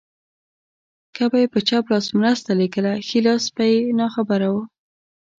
که به يې په چپ لاس مرسته لېږله ښی لاس به يې ناخبره و.